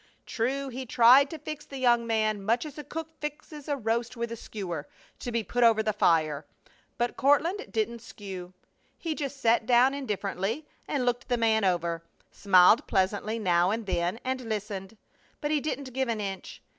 True, he tried to fix the young man much as a cook fixes a roast with a skewer, to be put over the fire; but Courtland didn't skew. He just sat down indifferently and looked the man over; smiled pleasantly now and then, and listened; but he didn't give an inch.